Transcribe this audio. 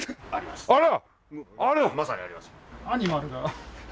あら。